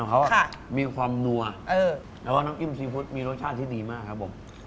เป็นยังไงครับ